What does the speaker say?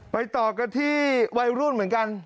ต่อกันที่วัยรุ่นเหมือนกัน